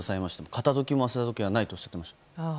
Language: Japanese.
片時も忘れた時はないとおっしゃっていました。